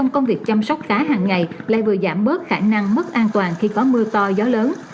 công việc chăm sóc cá hàng ngày lại vừa giảm bớt khả năng mất an toàn khi có mưa to gió lớn